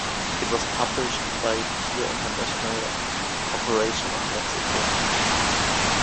It was published by Peer International Corporation of Mexico.